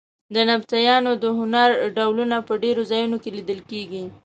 د نبطیانو د هنر ډولونه په ډېرو ځایونو کې لیدل کېږي.